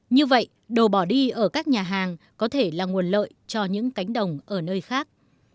như vậy đồ bỏ đi ở các nhà hàng có thể là nguồn lợi cho những cánh đồng ở nơi khác